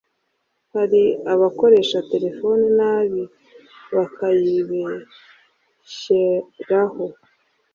hari abakoresha terefoni nabi bakayibesheraho